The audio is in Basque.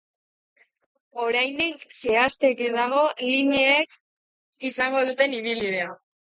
Oraindik zehazteke dago lineek izango duten ibilbidea.